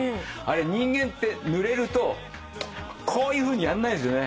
人間ってぬれるとこういうふうにやらないんですよね。